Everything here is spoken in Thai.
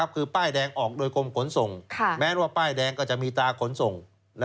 คือป้ายแดงออกโดยกรมขนส่งแม้ว่าป้ายแดงก็จะมีตาขนส่ง